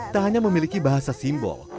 tak hanya memiliki bahasa simbol